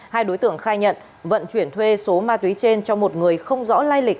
hai đối tượng khai nhận vận chuyển thuê số ma túy trên cho một người không rõ lai lịch